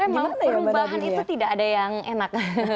memang perubahan itu tidak ada yang enak